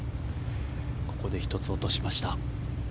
ここで１つ落としました。